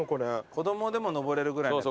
子供でも登れるぐらいのやつ。